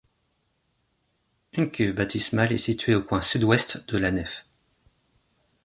Une cuve baptismale est située au coin sud-ouest de la nef.